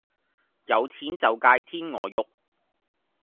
有錢就界天鵝肉